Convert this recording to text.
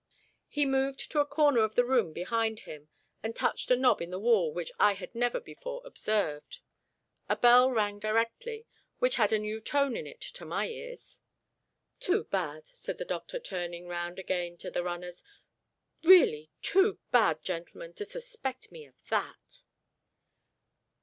He moved to a corner of the room behind him, and touched a knob in the wall which I had never before observed. A bell rang directly, which had a new tone in it to my ears. "Too bad," said the doctor, turning round again to the runners; "really too bad, gentlemen, to suspect me of that!"